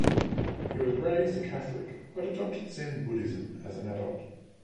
He was raised a Catholic but adopted Zen Buddhism as an adult.